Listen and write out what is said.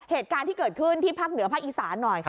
เหตุการณ์ที่เกิดขึ้นที่ภาคเหนือภาคอีสานหน่อย